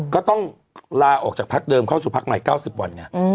ก็ต้องลาออกจากพักเดิมเข้าสู่พักใหม่๙๐วันไง